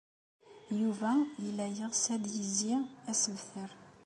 Yuba yella yeɣs ad yezzi asebter.